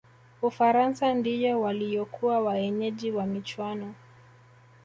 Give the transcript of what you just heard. ufaransa ndiyo waliyokuwa waenyeji wa michuano